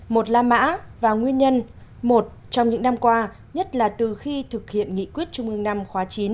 một la mã và nguyên nhân một trong những năm qua nhất là từ khi thực hiện nghị quyết trung ương năm khóa chín